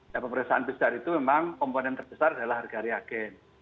nah pemeriksaan besar itu memang komponen terbesar adalah harga reagen